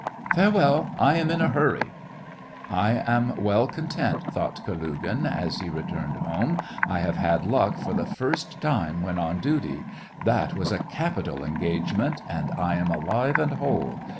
'*" Farewell ; I am in a hurry." *' I am well content," thought Kalugin, as he returned home ;" I have had luck for the first time when on duty. That was a capital engage ment, and I am alive and whole.